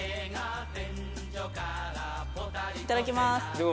いただきます！